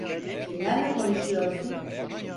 Kimlerle konuşuyorsun?